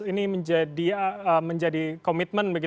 ini menjadi komitmen